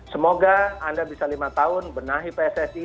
semoga anda bisa lima tahun benahi pssi